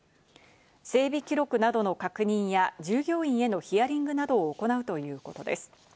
整備記録などの確認や従業員へのヒアリングなどを行うということです。